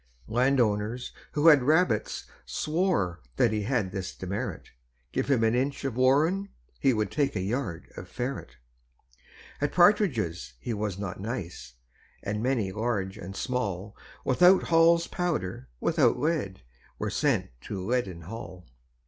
Land owners, who had rabbits, swore That he had this demerit Give him an inch of warren, he Would take a yard of ferret. At partridges he was not nice; And many, large and small, Without Hall's powder, without lead, Were sent to Leaden Hall.